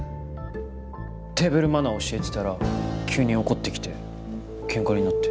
テーブルマナーを教えてたら急に怒ってきてけんかになって。